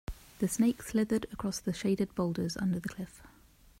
The snake slithered toward the shaded boulders under the cliff.